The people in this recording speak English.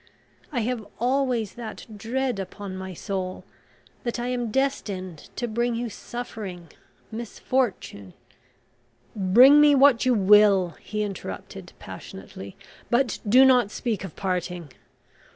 I have always that dread upon my soul, that I am destined to bring you suffering misfortune " "Bring me what you will," he interrupted passionately, "but do not speak of parting!